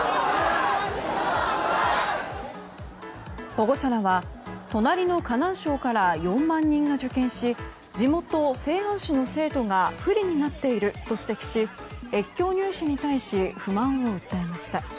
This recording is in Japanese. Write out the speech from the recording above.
保護者らは隣の河南省から４万人が受験し地元・西安市の生徒が不利になっていると指摘し越境入試に対し不満を訴えました。